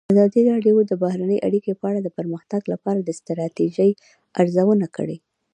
ازادي راډیو د بهرنۍ اړیکې په اړه د پرمختګ لپاره د ستراتیژۍ ارزونه کړې.